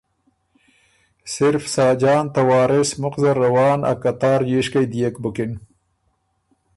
صرف ساجان ته وارث مُخ زر روان ا قطار ييشکئ دئېک بُکِن